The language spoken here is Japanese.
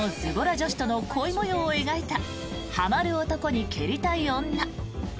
女子との恋模様を描いた「ハマる男に蹴りたい女」。